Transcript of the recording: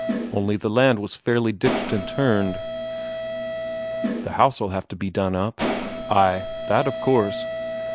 "Only the land was fairly ditched and turned." "The house'd have to be done up." "Ay, that of course.